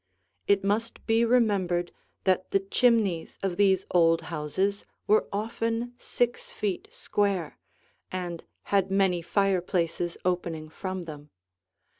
It must be remembered that the chimneys of these old houses were often six feet square and had many fireplaces opening from them.